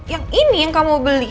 yang ini yang kamu beli